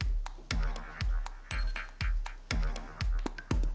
はい。